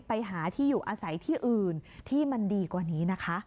ไปหาที่อยู่อาศัยที่อื่นที่มันดีกว่านี้นะคะ